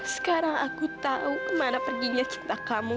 sekarang aku tahu kemana perginya cinta kamu